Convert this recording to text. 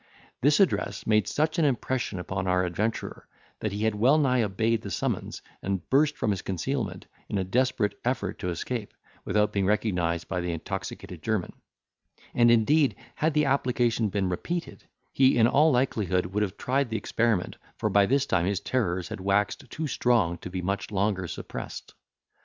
This address made such an impression upon our adventurer, that he had well nigh obeyed the summons, and burst from his concealment, in a desperate effort to escape, without being recognised by the intoxicated German; and indeed, had the application been repeated, he in all likelihood would have tried the experiment, for by this time his terrors had waxed too strong to be much longer suppressed.